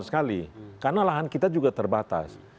sekali karena lahan kita juga terbatas